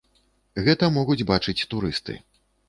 Гэта могуць бачыць турысты.